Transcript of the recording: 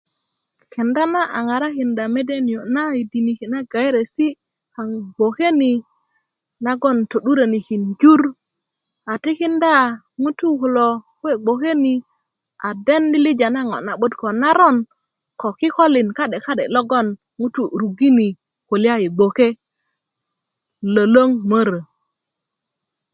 kenda na a ŋarakinda mede niyo' na yi diniki' na ŋariyesi' kaŋ gboke ni nagoŋ to'durönikin jur a tikinda ŋutuu kulo kuwe gboke ni a den lilija na ŋo' na 'but ko naron ko kikolin kade kade' logoŋ ŋutu rugini kulya yi gboke lwölwöŋ mörö